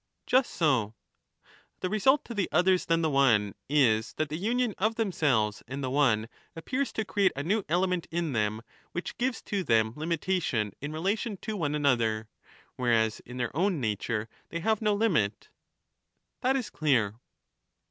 Just so. The result to the others than the one is that the union of themselves and the one appears to create a new element in them which gives to them limitation in relation to one another; whereas in their own nature they have no limit. That is clear.